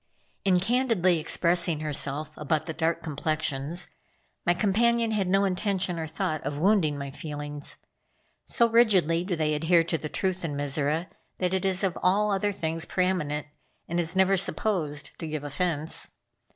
In candidly expressing herself about the dark complexions, my companion had no intention or thought of wounding my feelings. So rigidly do they adhere to the truth in Mizora that it is of all other things pre eminent, and is never supposed to give offense.